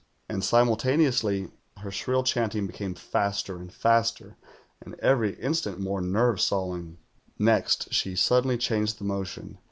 And simultane ously her shrill chanting became faster and faster, and every instant more nerve sawing. "Next she suddenly changed the motion.